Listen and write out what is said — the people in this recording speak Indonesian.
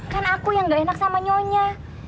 kan aku yang gak enak sama nyonya